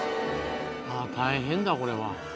ああ大変だこれは。